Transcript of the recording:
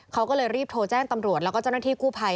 เขาก็เลยรีบโทรแจ้งตำรวจแล้วก็เจ้าหน้าที่กู้ภัย